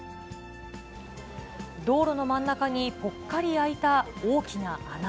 道路の真ん中にぽっかり空いた大きな穴。